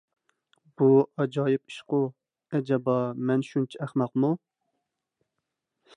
بۇ ئاجايىپ ئىشقۇ، ئەجەبا، مەن شۇنچە ئەخمەقمۇ؟